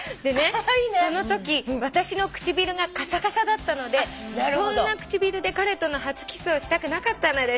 「そのとき私の唇がカサカサだったのでそんな唇で彼との初キスをしたくなかったのです」